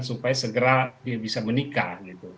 supaya segera dia bisa menikah